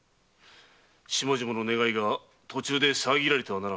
下々の願いが途中で遮られてはならぬ。